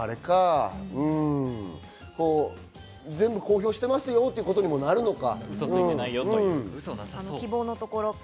全部公表してますよっていうことにもなるのか。